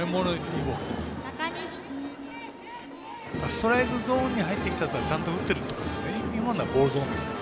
ストライクゾーンに入ってきたやつはちゃんと打ってるということですね。